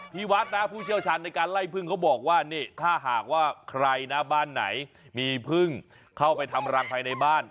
ที่วัดนะผู้เชี่ยวชาญในการไล่พึ่งเขาบอกว่านี่ถ้าหากว่าใครนะบ้านไหนมีพึ่งเข้าไปทำรังภายในบ้าน